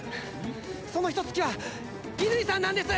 そのヒトツ鬼は乾さんなんです！